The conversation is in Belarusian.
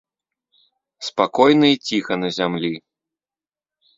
Спакойна і ціха на зямлі.